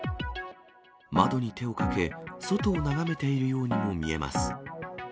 窓に手をかけ、外を眺めているようにも見えます。